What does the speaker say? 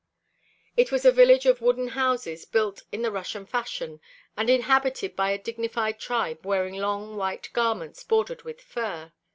It was a village of wooden houses built in the Russian fashion, and inhabited by a dignified tribe wearing long white garments bordered with fur.